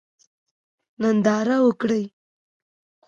ننداره وکړئ.